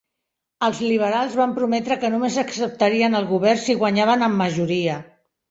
Els Liberals van prometre que només acceptarien el govern si guanyaven amb majoria.